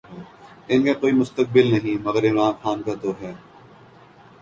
ان کا کوئی مستقبل نہیں، مگر عمران خان کا تو ہے۔